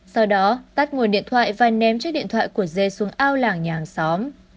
sau đó tắt ngồi điện thoại và ném chiếc điện thoại của dê xuống ao làng nhà hàng xóm